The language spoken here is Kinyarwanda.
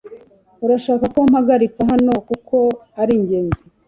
Urashaka ko mpagarika hano kuko ari ingenzi